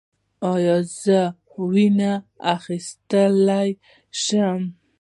ایا زه وینه اخیستلی شم؟